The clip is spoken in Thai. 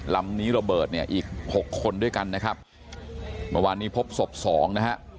ลำนี้ระเบิดเนี่ยอีกหกคนด้วยกันนะครับเมื่อวานนี้พบศพสองนะฮะ